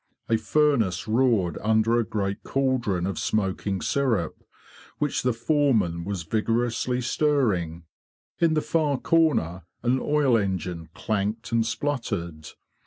A furnace roared under a great caldron of smoking syrup, which the foreman was vigorously stirring. In the far corner an oil engine clanked and spluttered.